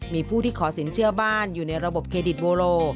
มีผู้ที่ขอสินเชื่อบ้านอยู่ในระบบเครดิตโวโล